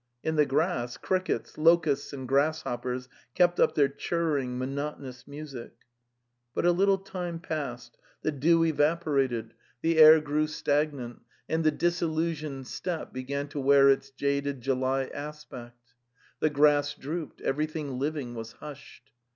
In the grass crickets, locusts and grasshoppers kept up their churring, mo notonous music. But a little time passed, the dew evaporated, the The Steppe 107 air grew stagnant, and the disillusioned steppe be gan to wear its jaded July aspect. The grass drooped, everything living was hushed.